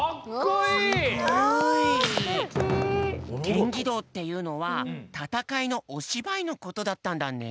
ケンギドーっていうのは戦いのおしばいのことだったんだね。